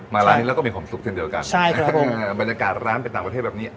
มาร้านนี้เราก็มีความสุขเท่าเดียวกันใช่ครับผมบรรยากาศร้านเป็นต่างประเทศแบบนี้